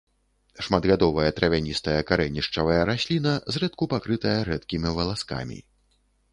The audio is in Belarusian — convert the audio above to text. Шматгадовая травяністая карэнішчавая расліна, зрэдку пакрытая рэдкімі валаскамі.